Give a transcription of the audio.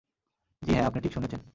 জি, হ্যাঁ, আপনি ঠিক শুনেছেন।